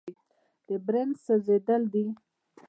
د برن سوځېدل دي.